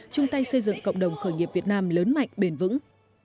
chung tay xây dựng cộng đồng khởi nghiệp việt nam lớn mạnh bền vững